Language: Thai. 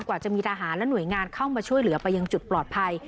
กว่าจะมีทหารและหน่วยงานเข้ามาช่วยเหลือไปยังจุดปลอดภัย